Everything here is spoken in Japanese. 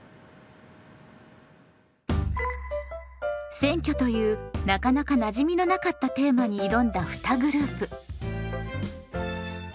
選挙というなかなかなじみのなかったテーマに挑んだ２グループ。